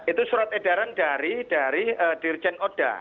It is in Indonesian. itu surat edaran dari dirjen oda